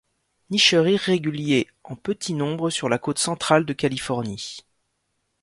Nicheur irrégulier en petit nombre sur la côte centrale de Californie.